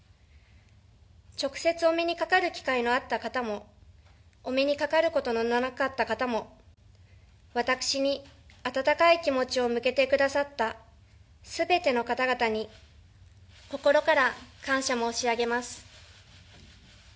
直接お目にかかる機会のあった方もお目にかかることのなかった方も私に、温かい気持ちを向けてくださった全ての方々に心から感謝申し上げます。